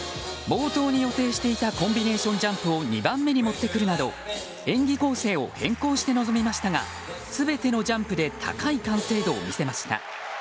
冒頭に予定していたコンビネーションジャンプを２番目に持ってくるなど演技構成を変更して臨みましたが全てのジャンプで高い完成度を見せました。